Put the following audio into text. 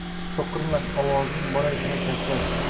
so’qirman, ovozing boray paypaslab